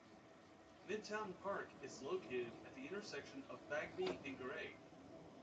Midtown Park is located at the intersection of Bagby and Gray.